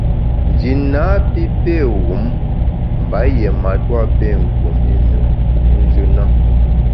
Nji napi pé wum mba yié matua pé kum i ne nku’njù na.